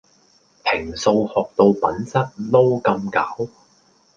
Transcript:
平素學到品質撈咁攪